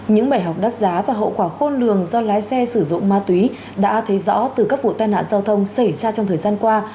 những bài học đắt giá và hậu quả khôn lường do lái xe sử dụng ma túy đã thấy rõ từ các vụ tai nạn giao thông xảy ra trong thời gian qua